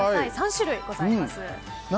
３種類ございます。